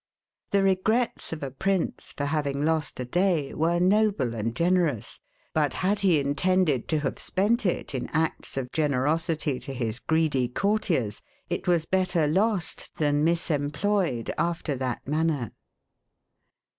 The regrets of a prince, for having lost a day, were noble and generous: but had he intended to have spent it in acts of generosity to his greedy courtiers, it was better lost than misemployed after that manner.